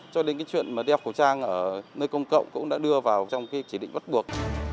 cho đến cái chuyện mà đeo khẩu trang ở nơi công cộng cũng đã đưa vào trong cái chỉ định bắt buộc